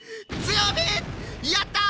やった！